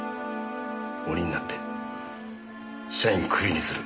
鬼になって社員クビにする。